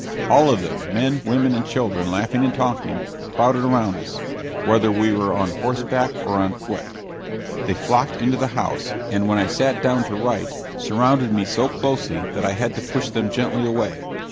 All of them men, women, and children, laughing and talking crowded around us, whether we were on horseback or on foot. They flocked into the house, and when I sat down to write surrounded me so closely that I had to push them gently away.